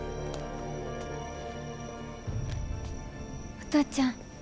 お父ちゃん？